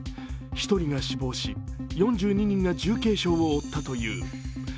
１人が死亡し４２人が重軽傷を負ったという。